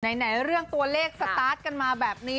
ไหนเรื่องตัวเลขสตาร์ทกันมาแบบนี้